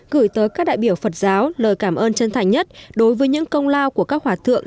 gửi tới các đại biểu phật giáo lời cảm ơn chân thành nhất đối với những công lao của các hòa thượng